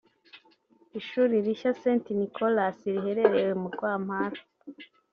Ishuri rishya Saint Nicolas riherereye mu Rwampara